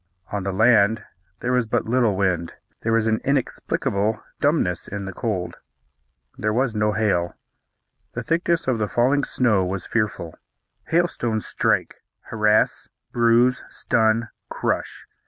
On the land there was but little wind. There was an inexplicable dumbness in the cold. There was no hail. The thickness of the falling snow was fearful. Hailstones strike, harass, bruise, stun, crush.